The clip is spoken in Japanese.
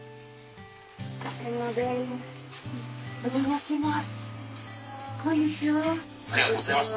お邪魔します。